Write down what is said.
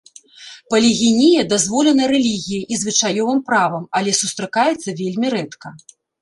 Палігінія дазволена рэлігіяй і звычаёвым правам, але сустракаецца вельмі рэдка.